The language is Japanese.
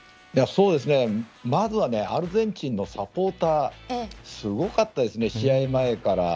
まずはアルゼンチンのサポーターがすごかったですね、試合前から。